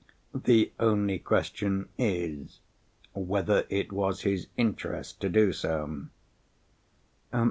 The only question is, whether it was his interest to do so."